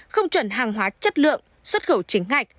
không chuẩn hàng hóa chất lượng xuất khẩu chính ngạch